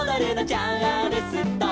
「チャールストン」